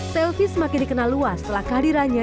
selvi semakin dikenal luas setelah kehadirannya